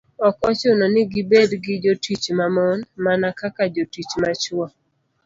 Ok ochuno ni gibed gi jotich ma mon, mana kaka jotich ma chwo.